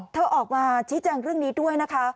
ออกมาชี้แจงเรื่องนี้ด้วยนะคะ